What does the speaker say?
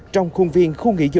trong khuôn viên